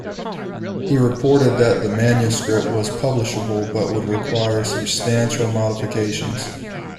He reported that the manuscript was publishable, but would require substantial modifications.